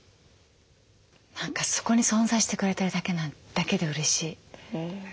何かそこに存在してくれてるだけでうれしい。